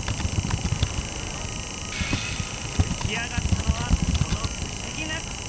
出来上がったのはこの不思議な形。